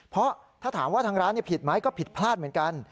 เพราะถ้าถามว่าทางร้านผิดไหมก็ผิดพลาดเหมือนกัน